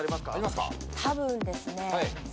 たぶんですね